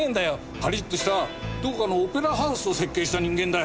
パリッとしたどこかのオペラハウスを設計した人間だよ。